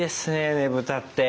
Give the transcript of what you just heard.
ねぶたって。